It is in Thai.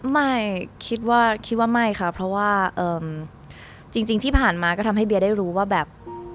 ไม่คิดว่าคิดว่าไม่ค่ะเพราะว่าจริงที่ผ่านมาก็ทำให้เบียได้รู้ว่าแบบ